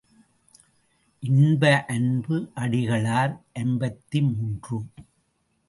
இன்ப அன்பு அடிகளார் ஐம்பத்து மூன்று.